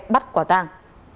bắt quả tàng